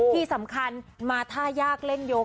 ที่สำคัญมาท่ายากเล่นยก